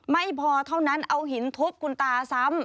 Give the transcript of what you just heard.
ไม่พอเท่านั้นเอาหินทุบคุณตาซ้ำ